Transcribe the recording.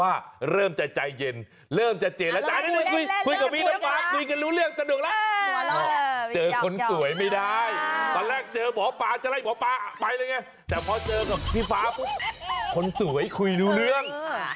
แต่พอเจอกับพี่ฟ้าคนสวยคุยรู้เรื่อง